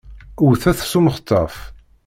Wwtet s umextaf.